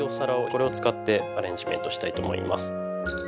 これを使ってアレンジメントしたいと思います。